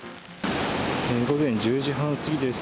午前１０時半過ぎです。